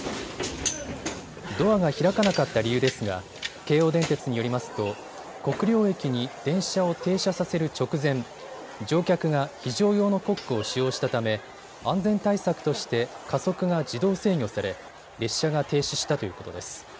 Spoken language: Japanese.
ドアが開かなかった理由ですが京王電鉄によりますと国領駅に電車を停車させる直前、乗客が非常用のコックを使用したため安全対策として加速が自動制御され列車が停止したということです。